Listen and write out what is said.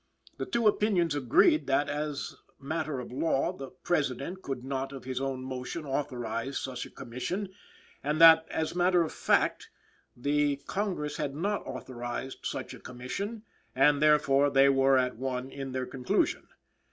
The two opinions agreed that, as matter of law, the President could not of his own motion authorize such a Commission, and that, as matter of fact, the Congress had not authorized such a Commission; and therefore they were at one in their conclusion.